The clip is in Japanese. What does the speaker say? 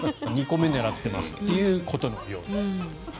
２個目狙ってますということのようです。